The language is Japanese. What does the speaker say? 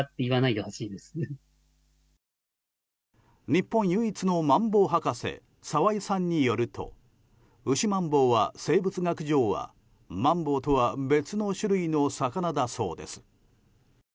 日本唯一のマンボウ博士澤井さんによるとウシマンボウは生物学上はマンボウとは別の種類の魚だそうです。